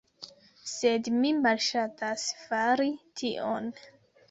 Sed mi malŝatas fari tion.